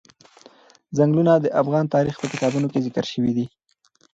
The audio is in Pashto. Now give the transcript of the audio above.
ځنګلونه د افغان تاریخ په کتابونو کې ذکر شوی دي.